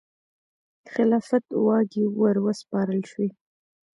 خلافت واګې وروسپارل شوې.